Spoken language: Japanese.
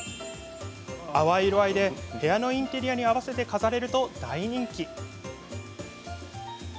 淡い色合いで部屋のインテリアに合わせて飾れると大人気。